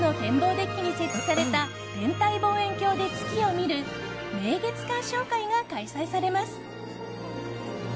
デッキに設置された天体望遠鏡で月を見る名月鑑賞会が開催されます。